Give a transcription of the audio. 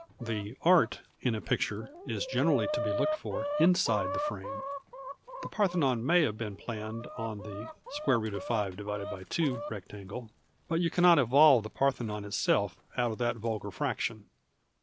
The " art " in a picture is generally to be looked for inside the frame. The Parthenon may \/5 have been planned on the —— rectangle, but you cannot evolve the Parthenon itself out of that vulgar fraction.